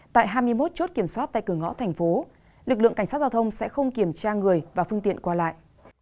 tại hai mươi một chốt kiểm soát tại cửa ngõ thành phố lực lượng cảnh sát giao thông sẽ không kiểm tra người và phương tiện qua lại